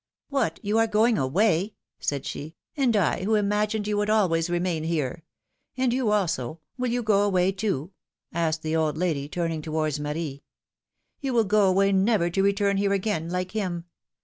^^What! you are going away?" said she. ^^And I, who imagined you would always remain here! And you, also — will you go away, too?" added the old lady, turning towards Marie. You will go away never to return here again, like him.